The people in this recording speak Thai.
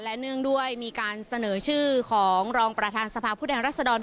และเนื่องด้วยมีการเสนอชื่อของรองประธานสภาพผู้แทนรัศดร